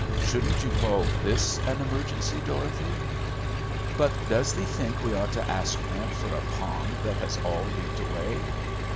Shouldn't you call this an 'emergency,' Dorothy?" "But does thee think we ought to ask rent for a pond that has all leaked away?"